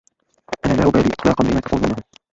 أنا لا أبالي إطلاقا بما تقولونه.